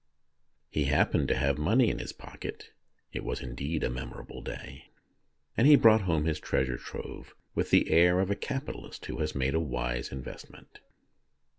He happened to have money in his pocket (it was indeed a memor able day), and he brought home his treasure trove with the air of a capitalist who has made a wise investment.